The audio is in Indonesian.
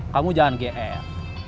kamu jangan gr